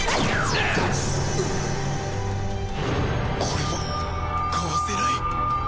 これはかわせない！